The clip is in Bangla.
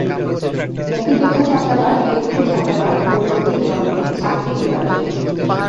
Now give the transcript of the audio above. মুক্তিযোদ্ধা ছাত্রাবাস, একুশে ছাত্রাবাস ও শহীদ জননী ছাত্রীনিবাস।